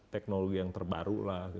teknologi yang terbaru lah